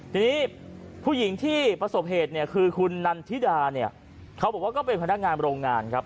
ทีนี้ผู้หญิงที่ประสบเหตุเนี่ยคือคุณนันทิดาเนี่ยเขาบอกว่าก็เป็นพนักงานโรงงานครับ